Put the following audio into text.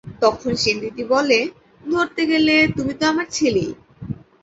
তখন সেনদিদি বলে, ধরতে গেলে তুমি তো আমার ছেলেই।